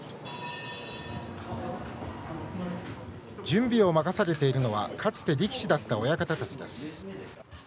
準備を任されているのはかつて力士だった親方たちです。